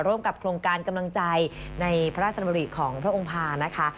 ร่วมกับโครงการกำลังใจในพระราชดำริของพระองค์ภานะคะ